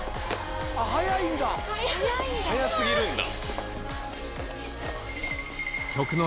速いんだ。速過ぎるんだ。